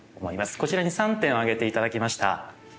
こちらに３点挙げて頂きました。